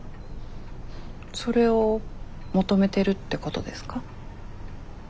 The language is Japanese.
それを求めてるってことですか？